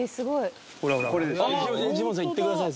ほらほらジモンさんいってください